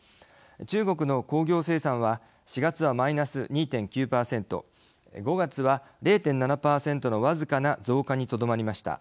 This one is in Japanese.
中国の工業生産は４月はマイナス２．９％５月は０．７％の僅かな増加にとどまりました。